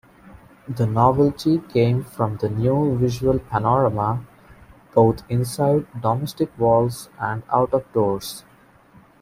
The novelty came from the new visual panorama, both inside "domestic walls" and out-of-doors.